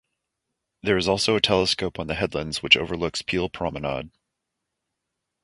There is also a telescope on the headlands which overlooks Peel promenade.